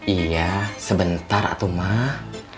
iya sebentar atuh mah